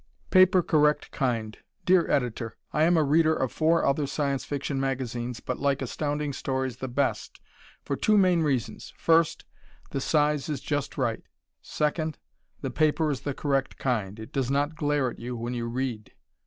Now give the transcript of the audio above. "Paper Correct Kind" Dear Editor: I am a reader of four other Science Fiction magazines but like Astounding Stories the best for two main reasons. First, the size is just right, second, the paper is the correct kind. It does not glare at you when you read.